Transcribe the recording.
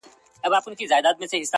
او ډېر لږ خبري کوي-